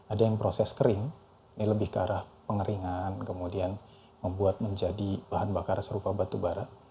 ada yang proses kering ini lebih ke arah pengeringan kemudian membuat menjadi bahan bakar serupa batu bara